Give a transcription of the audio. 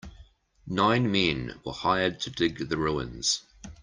Nine men were hired to dig the ruins.